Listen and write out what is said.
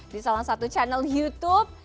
di salah satu channel youtube